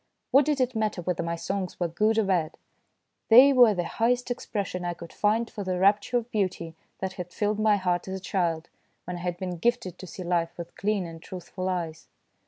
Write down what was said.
What did it matter whether my songs were good or bad? They were the highest expression I could find for the U 194 THE FLUTE PLAYER rapture of beauty that had filled my heart as a child when I had been gifted to see life with clean and truthful eyes.